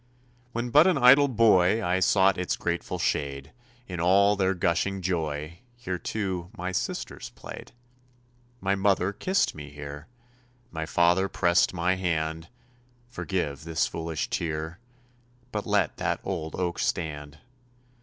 When but an idle boy, I sought its grateful shade; In all their gushing joy Here, too, my sisters played. My mother kissed me here; My father pressed my hand Forgive this foolish tear, But let that old oak stand.